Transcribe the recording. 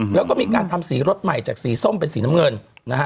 แล้วก็มีการทำสีรถใหม่จากสีส้มเป็นสีน้ำเงินนะฮะ